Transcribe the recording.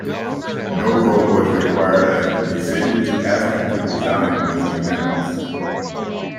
No vote was required as the decision to ask him to resign was unanimous.